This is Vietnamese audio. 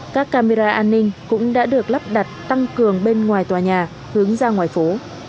các camera an ninh cũng đã được lắp đặt tăng cường bên ngoài tòa nhà hướng ra ngoài phố